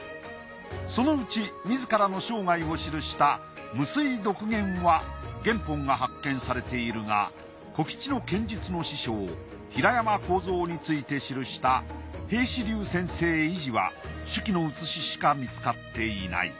そのうち自らの生涯を記した『夢酔独言』は原本が発見されているが小吉の剣術の師匠平山行蔵について記した『平子龍先生遺事』は手記の写ししか見つかっていない。